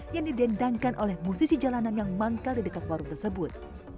yang didendangkan oleh musisi jalanan yang manggal di dekat warung tersebut